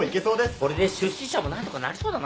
これで出資者も何とかなりそうだな。